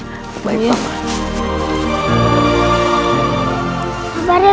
sampai jumpa guru